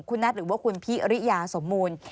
คุณนัทหรือว่าคุณพี่อริยาสมมูล